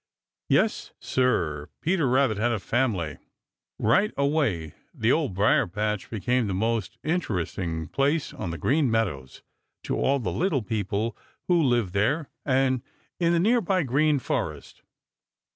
Yes, Sir, Peter Rabbit had a family! Right away the Old Briar patch became the most interesting place on the Green Meadows to all the little people who live there and in the near by Green Forest.